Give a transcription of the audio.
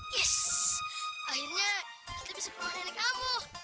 yes akhirnya kita bisa ke rumah nenek kamu